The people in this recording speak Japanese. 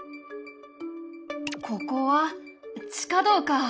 ここは地下道か。